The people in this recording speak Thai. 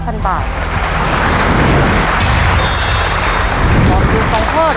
ตอบถูก๒ข้อรับ๑๐๐๐บาท